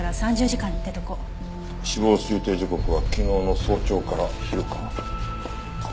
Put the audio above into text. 死亡推定時刻は昨日の早朝から昼か。